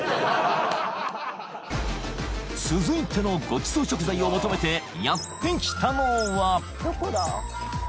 ［続いてのごちそう食材を求めてやって来たのは］